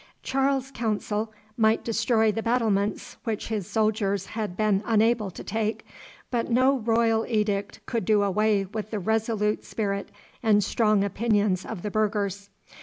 Charles's Council might destroy the battlements which his soldiers had been unable to take, but no royal edict could do away with the resolute spirit and strong opinions of the burghers.